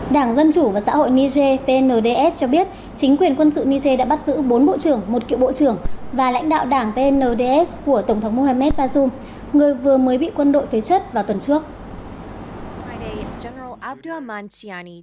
đảng dân chủ và xã hội niger pnds cho biết chính quyền quân sự niger đã bắt giữ bốn bộ trưởng một cựu bộ trưởng và lãnh đạo đảng pnds của tổng thống mohamed bazoum người vừa mới bị quân đội phế chất vào tuần trước